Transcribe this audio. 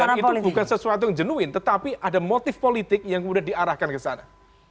dan itu bukan sesuatu yang jenuin tetapi ada motif politik yang sudah diarahkan ke sana